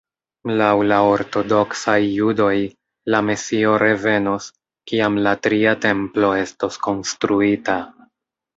Laŭ la ortodoksaj judoj, la mesio revenos, kiam la tria Templo estos konstruita.